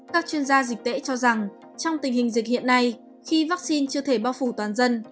các chuyên gia dịch tễ cho rằng trong tình hình dịch hiện nay khi vaccine chưa thể bao phủ toàn dân